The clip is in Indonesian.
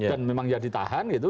dan memang ya ditahan gitu